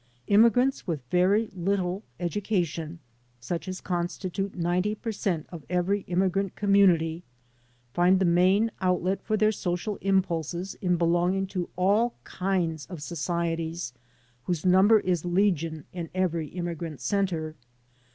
Immigrants with very little education, such as constitute 90 per cent of every immigrant community, find the main outlet for their' social impulses in belonging to all kinds of societies whose number is legion in every immigrant center.